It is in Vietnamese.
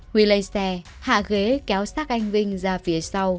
huy lây xe hạ ghế kéo xác anh vinh ra phía sau